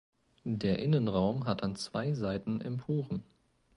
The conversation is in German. Der Innenraum hat an zwei Seiten Emporen.